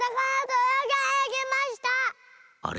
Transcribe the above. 「あれ？